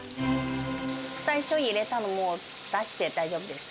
最初入れたの、もう出して大丈夫です。